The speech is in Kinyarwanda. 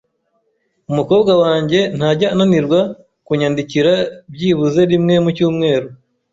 Umukobwa wanjye ntajya ananirwa kunyandikira byibuze rimwe mu cyumweru.